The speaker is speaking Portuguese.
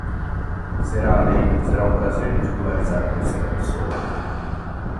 Será a lei, será o prazer ridicularizar a terceira pessoa?